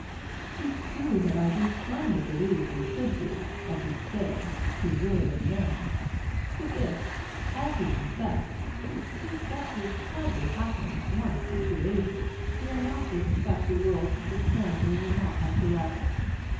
'Tis true that I do firmly believe we should be, as you say, toujours les mesmes; but if (as you confess) 'tis that which hardly happens once in two ages, we are not to expect the world should discern we were not like the rest.